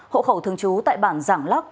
hộ khẩu thường trú tại bản giảng lóc